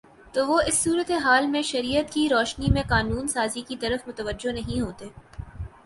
تو وہ اس صورتِ حال میں شریعت کی روشنی میں قانون سازی کی طرف متوجہ نہیں ہوتے